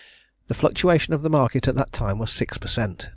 The fluctuation of the market at that time was six per cent.